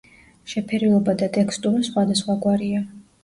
შეფერილობა და ტექსტურა სხვადასხვაგვარია.